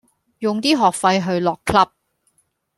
用啲學費去落 Club